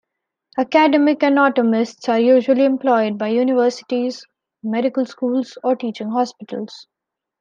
Academic anatomists are usually employed by universities, medical schools or teaching hospitals.